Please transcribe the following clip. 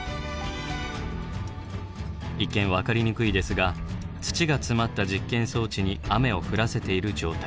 一見分かりにくいですが土が詰まった実験装置に雨を降らせている状態。